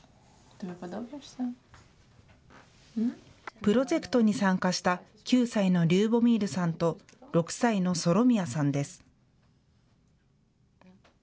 プロジェクトに参加した９歳のリューボミールさんと６歳のソロミヤさんです。